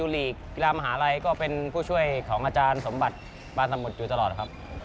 ลีกกีฬามหาลัยก็เป็นผู้ช่วยของอาจารย์สมบัติปาสมุทรอยู่ตลอดครับ